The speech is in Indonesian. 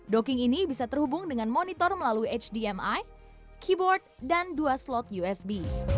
docking ini bisa terhubung dengan monitor melalui hdmi keyboard dan dua slot usb